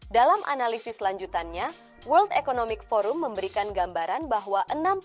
dalam analisis selanjutnya world economic forum memberikan gambaran bahwa